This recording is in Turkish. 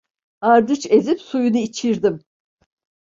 Ardıç ezip suyunu içirdim…